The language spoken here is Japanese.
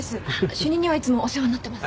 主任にはいつもお世話になっています。